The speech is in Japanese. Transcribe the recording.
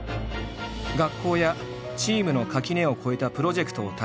学校やチームの垣根を越えたプロジェクトを立ち上げ